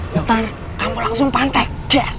bentar kamu langsung pantek